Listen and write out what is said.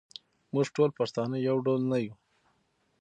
موږ ټول پښتانه یو ډول نه یوو.